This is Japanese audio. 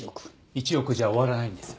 １億じゃ終わらないんです。